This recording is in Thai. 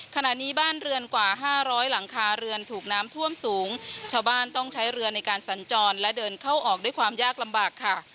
ขณะนี้บ้านเรือนกว่าห้าร้อยหลังคาเรือนถูกน้ำท่วมสูงชาวบ้านต้องใช้เรือในการสัญจรและเดินเข้าออกด้วยความยากลำบากค่ะ